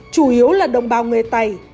chủ yếu là đồng bào người tây